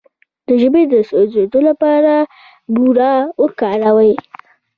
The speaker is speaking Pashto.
د ژبې د سوځیدو لپاره بوره وکاروئ